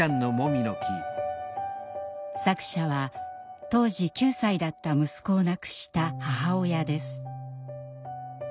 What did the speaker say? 作者は当時９歳だった息子を亡くした母親です。